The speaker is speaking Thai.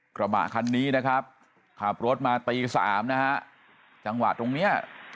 กระบะคันนี้นะครับขับรถมาตีสามนะฮะจังหวะตรงเนี้ย